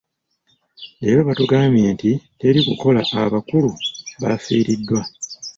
Leero batugambye nti teri kukola abakulu baafiiriddwa.